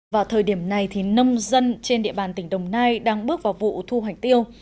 vào thời điểm này nông dân trên địa bàn tỉnh đồng nai đang bước vào vụ thu hành tiêu